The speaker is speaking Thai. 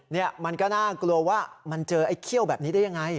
นี่มันก็น่ากลัวว่ามันเจอไอ้เขี้ยวแบบนี้ได้ยังไง